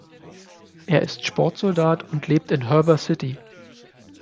Er ist Sportsoldat und lebt in Heber City.